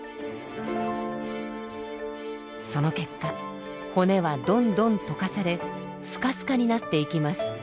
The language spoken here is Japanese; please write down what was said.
その結果骨はどんどん溶かされスカスカになっていきます。